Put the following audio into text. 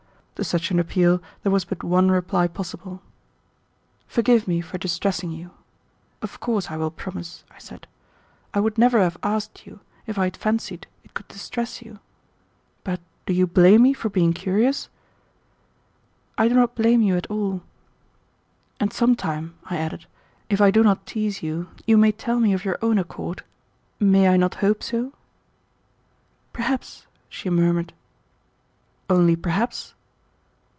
To such an appeal there was but one reply possible. "Forgive me for distressing you. Of course I will promise," I said. "I would never have asked you if I had fancied it could distress you. But do you blame me for being curious?" "I do not blame you at all." "And some time," I added, "if I do not tease you, you may tell me of your own accord. May I not hope so?" "Perhaps," she murmured. "Only perhaps?"